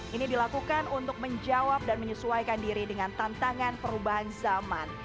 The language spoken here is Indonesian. ini dilakukan untuk menjawab dan menyesuaikan diri dengan tantangan perubahan zaman